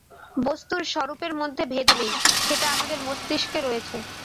বস্তুর স্বরূপের মধ্যে ভেদ নেই, সেটা আমাদের মস্তিষ্কে রয়েছে।